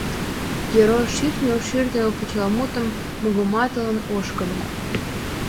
Пьеро, шӱртньыл-шӱртньыл, почеламутым мугыматылын ошкыльо.